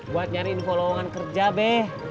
buat nyari info lowongan kerja deh